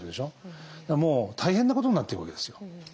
もう大変なことになってるわけですよ。